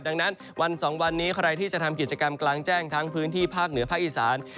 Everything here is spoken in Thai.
ดังนั้นวัน๒วันนี้ใครที่จะทำกิจกรรมกลางแจ้งทั้งพื้นที่ภาคเหนือภาคอีสาน